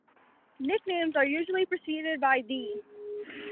Nicknames are usually preceded by 'The'.